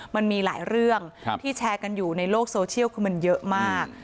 มันมีหลายเรื่องที่แชร์กันอยู่ในโลกโซเชียลคือมันเยอะมาก